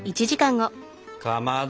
かまど